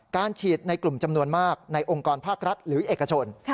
ฉีดในกลุ่มจำนวนมากในองค์กรภาครัฐหรือเอกชน